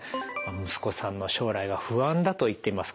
息子さんの将来が不安だと言っています。